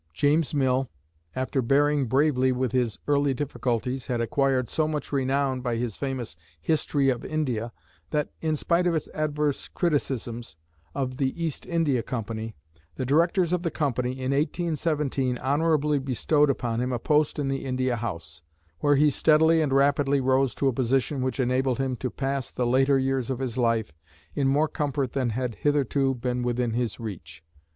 James Mill, after bearing bravely with his early difficulties, had acquired so much renown by his famous "History of India," that, in spite of its adverse criticisms of the East India Company, the directors of the Company in 1817 honorably bestowed upon him a post in the India House, where he steadily and rapidly rose to a position which enabled him to pass the later years of his life in more comfort than had hitherto been within his reach.